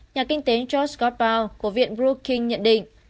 nhà kinh tế george scott brown của viện brookings nhận định